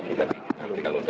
oh tidak ada